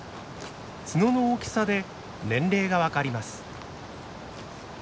角の大きさで年齢が分かります。